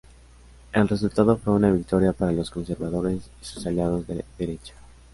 El resultado fue una victoria para los conservadores y sus aliados de derecha.